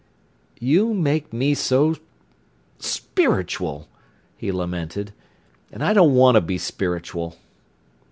"You make me so spiritual!" he lamented. "And I don't want to be spiritual."